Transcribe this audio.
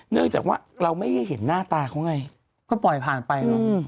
เนื่องจากว่าเราไม่ให้เห็นหน้าตาเขาไงก็ปล่อยผ่านไปเนอะ